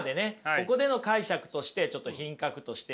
ここでの解釈としてちょっと「品格」としてるんですね。